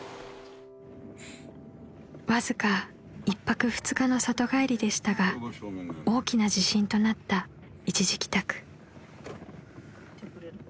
［わずか１泊２日の里帰りでしたが大きな自信となった一時帰宅］